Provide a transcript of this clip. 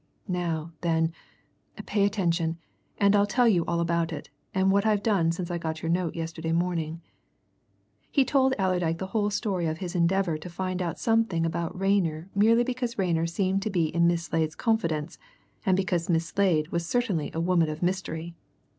"Now, then, pay attention, and I'll tell you all about it, and what I've done since I got your note yesterday morning." He told Allerdyke the whole story of his endeavour to find out something about Rayner merely because Rayner seemed to be in Miss Slade's confidence, and because Miss Slade was certainly a woman of mystery.